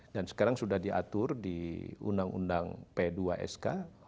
dan sekarang sudah diatur di undang undang p dua sk